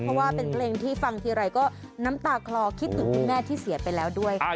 เพราะว่าเป็นเพลงที่ฟังทีไรก็น้ำตาคลอคิดถึงคุณแม่ที่เสียไปแล้วด้วย